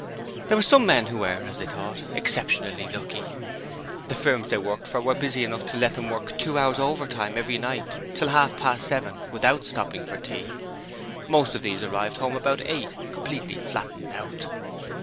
There were some who were as they thought exceptionally lucky: the firms they worked for were busy enough to let them work two hours' overtime every night till half past seven without stopping for tea. Most of these arrived home about eight, completely flattened out.